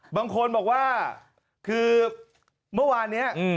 บางคนบอกว่าคือเมื่อวานนี้